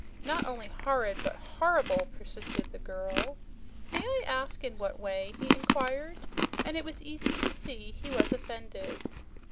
"Not only horrid, but horrible!" persisted the girl. "May I ask in what way?" he inquired, and it was easy to see he was offended.